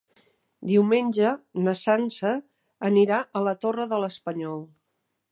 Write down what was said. Diumenge na Sança anirà a la Torre de l'Espanyol.